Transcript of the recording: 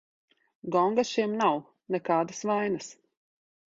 Gonga šiem nav, nekādas vainas.